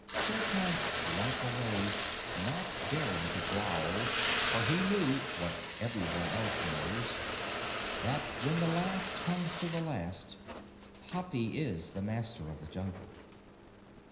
Shere Khan slunk away, not daring to growl, for he knew what every one else knows that when the last comes to the last, Hathi is the Master of the Jungle.